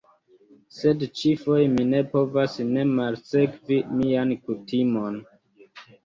Sed ĉi-foje mi ne povas ne malsekvi mian kutimon.